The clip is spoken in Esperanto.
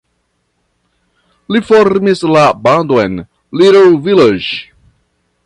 Li formis la bandon Little Village.